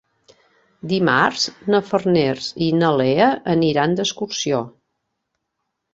Dimarts na Farners i na Lea aniran d'excursió.